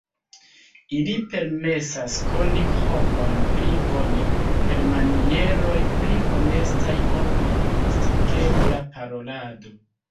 Ili permesas koni homojn pli bone, per manieroj pli honestaj ol malhonestigebla parolado.